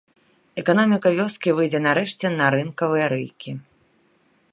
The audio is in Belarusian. Эканоміка вёскі выйдзе нарэшце на рынкавыя рэйкі.